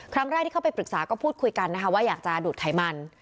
ครั้งแรกที่เข้าไปปรึกษาก็พูดคุยกันนะคะว่าอยากจะดูดไขมัน